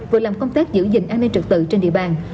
vừa làm công tác giữ gìn an ninh trực tự trên địa bàn